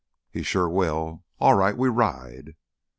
"He sure will. All right ... we ride."